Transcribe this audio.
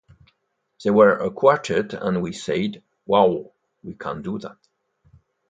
They were a quartet and we said, wow, we can do that.